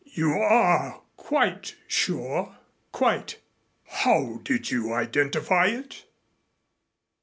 "You are quite sure?" "Quite." "How did you identify it?"